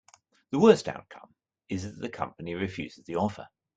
The worst outcome is that the company refuses the offer.